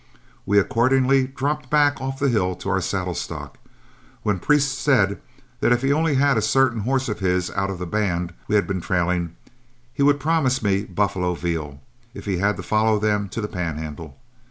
We accordingly dropped back off the hill to our saddle stock, when Priest said that if he only had a certain horse of his out of the band we had been trailing he would promise me buffalo veal if he had to follow them to the Pan handle.